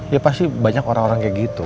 ya pasti banyak orang orang kayak gitu